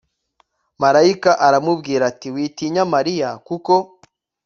marayika aramubwira ati witinya mariya kuko